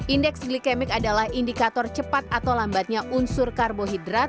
indeks glikemik adalah indikator cepat atau lambatnya unsur karbohidrat